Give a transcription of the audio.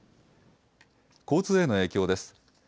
交通への影響です。